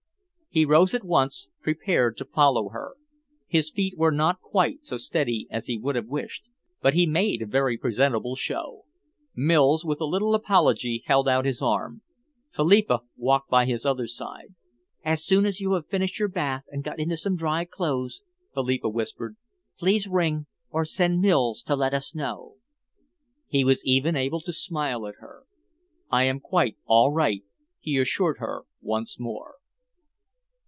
He rose at once, prepared to follow her. His feet were not quite so steady as he would have wished, but he made a very presentable show. Mills, with a little apology, held out his arm. Philippa walked by his other side. "As soon as you have finished your bath and got into some dry clothes," Philippa whispered, "please ring, or send Mills to let us know." He was even able to smile at her. "I am quite all right," he assured her once more.